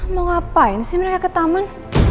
mau ngapain sih mereka ke taman